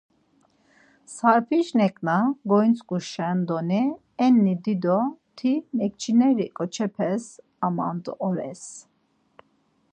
Sarp̌iş neǩna gointzǩuşen doni enni dido ti mekçineri ǩoçepes amant̆ores.